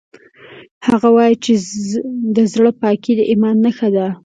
هغه وایي چې د زړه پاکۍ د ایمان نښه ده